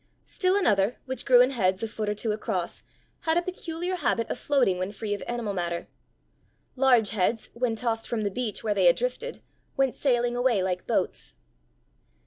Still another, which grew in heads a foot or two across, had a peculiar habit of floating when free of animal matter. Large heads, when tossed from the beach where they had drifted, went sailing away like boats.